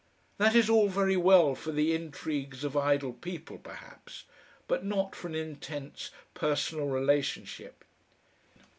That is all very well for the intrigues of idle people perhaps, but not for an intense personal relationship.